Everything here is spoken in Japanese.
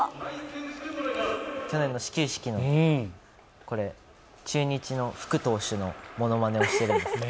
去年の始球式に、これ中日のふく投手のものまねをしているんです。